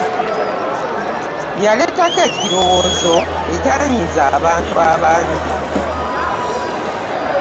Yaleetako ekirowoozo ekyanyiiza abantu abangi.